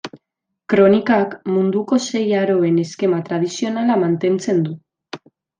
Kronikak munduko sei aroen eskema tradizionala mantentzen du.